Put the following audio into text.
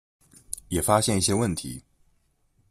也发现一些问题